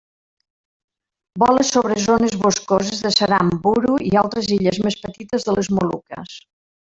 Vola sobre zones boscoses de Seram, Buru i altres illes més petites de les Moluques.